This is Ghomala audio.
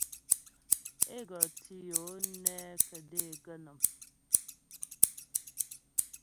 É go tǐ yo nɛ kə̀dé gə̀nɔ́m.